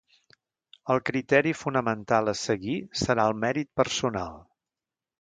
El criteri fonamental a seguir serà el mèrit personal.